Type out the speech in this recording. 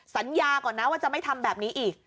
สัญญาก่อนนะว่าจะไม่ทำแบบนี้อีก